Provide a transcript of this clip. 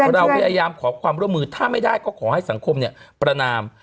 เราพยายามขอความร่วมมือถ้าไม่ได้ก็ขอให้สังคมประนาม